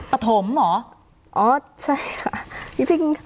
ประธมเหรอ